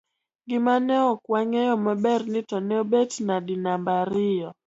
gimane ok wang'eyo maber ni to ne obet nadi namba ariyo